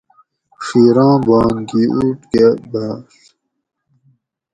ڄھیراں بان گی اُوٹ کہۤ باڄ